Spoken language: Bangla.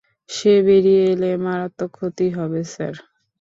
সে বেরিয়ে এলে মারাত্মক ক্ষতি হবে স্যার।